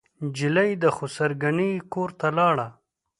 نجلۍ د خسر ګنې کورته لاړه.